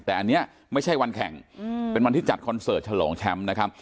แต่อันนี้ไม่ใช่วันแข่งเป็นวันที่จัดคอนเสิร์ตฉลองแชมป์นะครับ